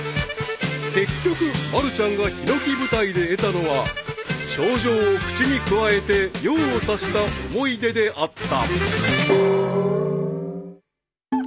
［結局まるちゃんがひのき舞台で得たのは賞状を口にくわえて用を足した思い出であった］